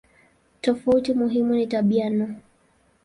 Tofauti muhimu ni tabia no.